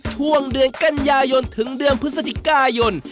ช่วงเดือนกันยายนถึงเดือนพฤศจิกายน